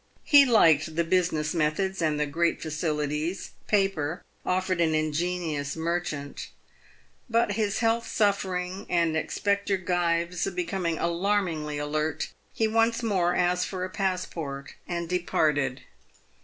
He liked the business methods and the great facilities " paper" offered an ingenious mer chant. But his health suffering, and Inspector Gyves becoming alarmingly alert, he once more asked for a passport, and departed.